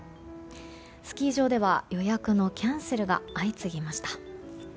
スキー場では予約のキャンセルが相次ぎました。